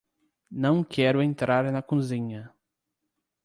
Não quero entrar na cozinha